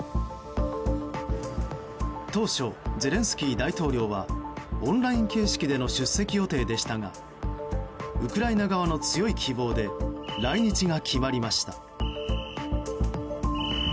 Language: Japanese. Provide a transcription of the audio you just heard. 当初、ゼレンスキー大統領はオンライン形式での出席予定でしたがウクライナ側の強い希望で来日が決まりました。